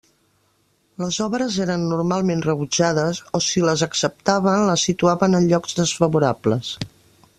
Les obres eren normalment rebutjades, o si les acceptaven, les situaven en llocs desfavorables.